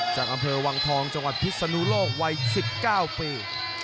จากอำเภอวังทองจังหวัดพิศนุโลกวัย๑๙ปี